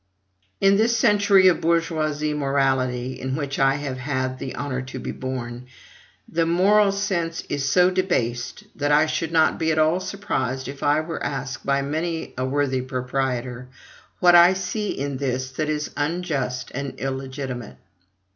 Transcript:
In this century of bourgeoisie morality, in which I have had the honor to be born, the moral sense is so debased that I should not be at all surprised if I were asked, by many a worthy proprietor, what I see in this that is unjust and illegitimate?